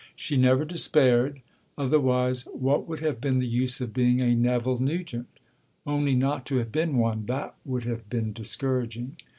She never despaired: otherwise what would have been the use of being a Neville Nugent? Only not to have been one that would have been discouraging.